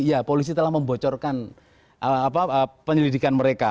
iya polisi telah membocorkan penyelidikan mereka